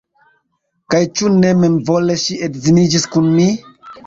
Kaj ĉu ne memvole ŝi edziniĝis kun mi?